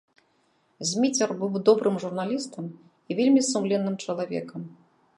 Зміцер быў добрым журналістам і вельмі сумленным чалавекам.